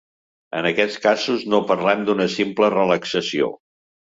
En aquests casos no parlem d’una simple relaxació.